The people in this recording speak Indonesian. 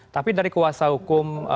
tapi dari kuasa hukum